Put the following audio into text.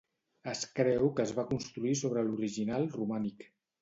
Es creu que es va construir sobre l'original romànic.